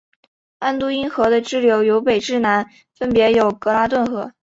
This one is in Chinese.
安都因河的支流由北至南分别有格拉顿河。